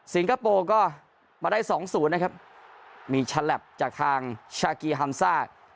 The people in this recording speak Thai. สิงคโปร์ก็มาได้๒๐นะครับมีชัลแหลปจากทางชากีฮัมซ่า